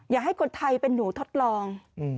อยากให้คนไทยเป็นหนูทดลอง